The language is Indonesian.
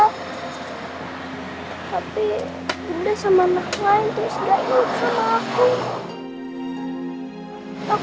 tapi bunda sama anak lain terus gak ingat sama aku